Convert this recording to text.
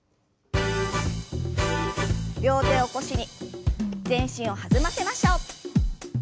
両手を腰に全身を弾ませましょう。